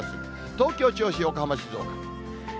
東京、銚子、横浜、静岡。